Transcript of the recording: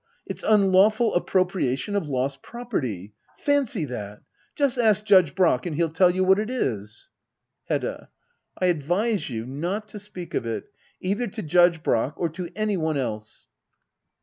It's unlawful appropriation of lost property. Fancy that ! Just ask Judge Brack, and he'll tell you what it is. Hedda. I advise you not to speak of it — either to Judge Brack, or to any one else.